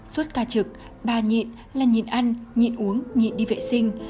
suốt ca trực ba nhịn là nhịn ăn nhịn uống nhịn đi vệ sinh